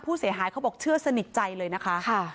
ผู้เสียหายเขาบอกเชื่อสนิทใจเลยนะคะ